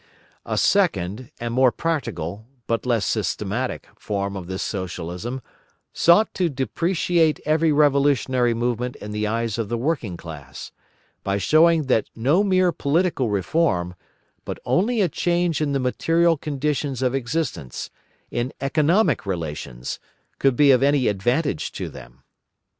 A second and more practical, but less systematic, form of this Socialism sought to depreciate every revolutionary movement in the eyes of the working class, by showing that no mere political reform, but only a change in the material conditions of existence, in economic relations, could be of any advantage to them.